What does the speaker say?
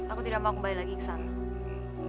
aku tidak mau kembali lagi ke sana